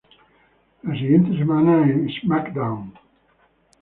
La siguiente semana, en "SmackDown!